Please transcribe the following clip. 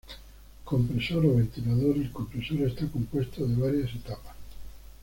Compresor o ventilador: el compresor está compuesto de varias etapas.